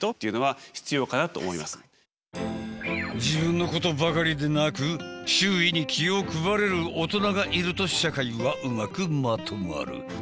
自分のことばかりでなく周囲に気を配れる大人がいると社会はうまくまとまる。